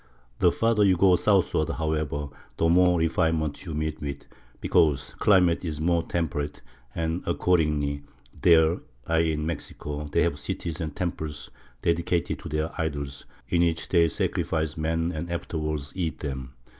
The farther you go southwestward, however, the more refinement you meet with, because the climate is more temperate, and, accordingly, there [i. e., in Mexico] they have cities and temples dedicated to their idols, in which they sacrifice men and afterwards eat them.